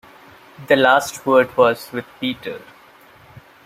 The last word was with Peter.